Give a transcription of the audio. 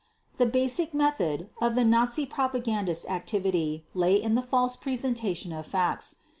The basic method of the Nazi propagandistic activity lay in the false presentation of facts.